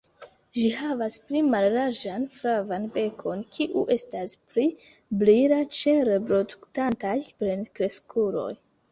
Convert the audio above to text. Ĝi havas pli mallarĝan flavan bekon, kiu estas pli brila ĉe reproduktantaj plenkreskuloj.